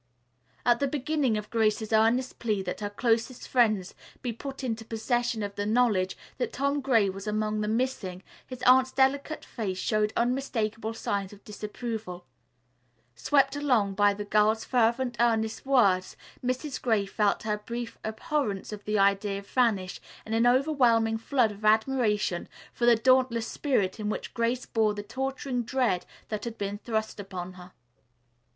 At the beginning of Grace's earnest plea that her closest friends be put into possession of the knowledge that Tom Gray was among the missing, his aunt's delicate face showed unmistakable signs of disapproval. Swept along by the girl's fervent earnest words, Mrs. Gray felt her brief abhorrence of the idea vanish in an overwhelming flood of admiration for the dauntless spirit in which Grace bore the torturing dread that had been thrust upon her.